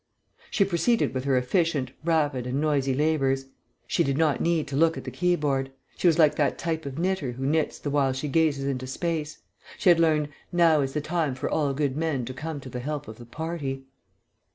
She proceeded with her efficient, rapid, and noisy labours. She did not need to look at the keyboard, she was like that type of knitter who knits the while she gazes into space; she had learnt "Now is the time for all good men to come to the help of the party."